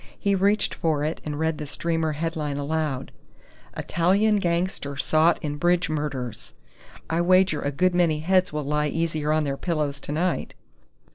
He reached for it, and read the streamer headline aloud: "ITALIAN GANGSTER SOUGHT IN BRIDGE MURDERS ... I wager a good many heads will lie easier on their pillows tonight."